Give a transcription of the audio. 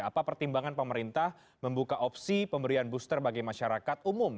apa pertimbangan pemerintah membuka opsi pemberian booster bagi masyarakat umum